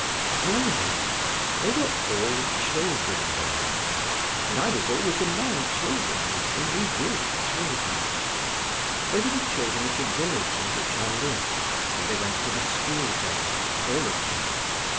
"Well, then—they were all children there, and I was always among children and only with children. They were the children of the village in which I lived, and they went to the school there—all of them.